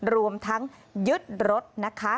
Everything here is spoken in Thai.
รวมทั้งยึดรถนะคะ